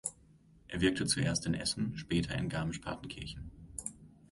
Er wirkte zuerst in Essen, später in Garmisch-Partenkirchen.